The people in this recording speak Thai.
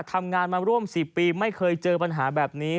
ทำงานมาร่วม๑๐ปีไม่เคยเจอปัญหาแบบนี้